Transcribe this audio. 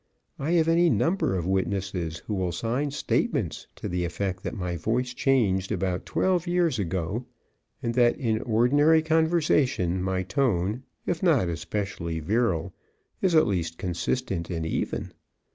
I have any number of witnesses who will sign statements to the effect that my voice changed about twelve years ago, and that in ordinary conversation my tone, if not especially virile, is at least consistent and even.